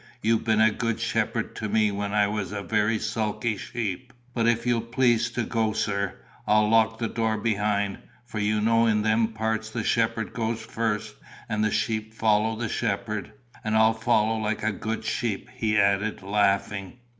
You've been a good shepherd to me when I was a very sulky sheep. But if you'll please to go, sir, I'll lock the door behind; for you know in them parts the shepherd goes first and the sheep follow the shepherd. And I'll follow like a good sheep," he added, laughing.